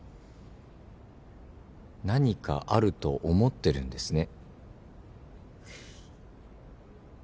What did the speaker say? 何かあると思ってるんですね。